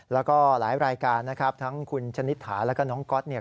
แล้วก็หลายรายการนะครับทั้งคุณชนิษฐาแล้วก็น้องก๊อตเนี่ย